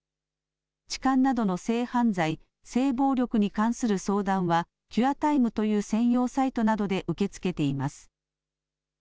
痴漢などの性犯罪・性暴力に関する相談はＣｕｒｅｔｉｍｅという専用サイトなどで受け付けています。